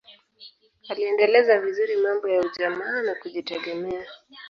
aliendeleza vizuri mambo ya ujamaa na kujitegemea